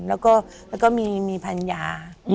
แล้วก็มีภัญญา